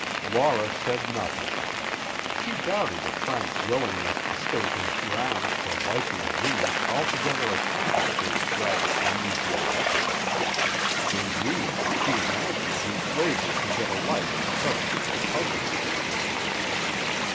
Laura said nothing. She doubted if Frank's willingness to state his grounds for liking Jimmy altogether accounted for his rather unusual effort. Indeed, she imagined he labored to get a light on a subject that puzzled him.